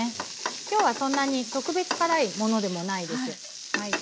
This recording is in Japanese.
今日はそんなに特別辛いものでもないです。